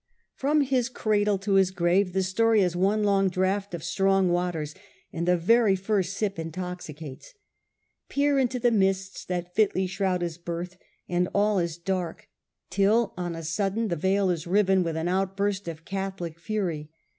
From his cradle (B B 2 SIR FRANCIS DRAKE chap. to his grave the story is one long draught of strong waters, and the very first sip intoxicates. Peer into the mists that fitly shroud his birth and all is dark, till on a sudden the veil is riven with an outburst of Catholic fury.